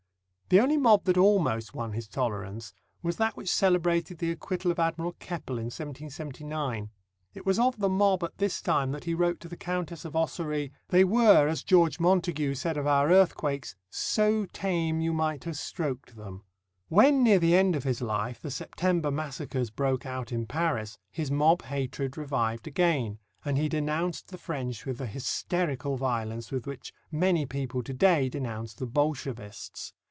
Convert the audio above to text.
The only mob that almost won his tolerance was that which celebrated the acquittal of Admiral Keppel in 1779. It was of the mob at this time that he wrote to the Countess of Ossory: "They were, as George Montagu said of our earthquakes, so tame you might have stroked them." When near the end of his life the September massacres broke out in Paris, his mob hatred revived again, and he denounced the French with the hysterical violence with which many people to day denounce the Bolshevists.